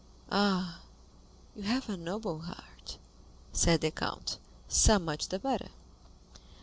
"Ah, you have a noble heart," said the count; "so much the better."